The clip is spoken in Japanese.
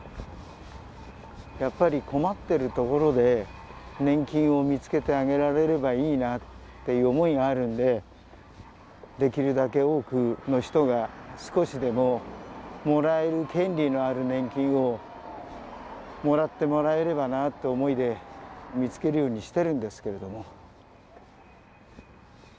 やっぱり困ってるところで年金を見つけてあげられればいいなという思いがあるんでできるだけ多くの人が少しでももらえる権利のある年金をもらってもらえればなっていう思いで見つけるようにしてるんですけれども。